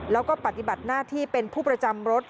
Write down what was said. แล้วก็ปฏิบัติหน้าที่เป็นผู้ประจำรถ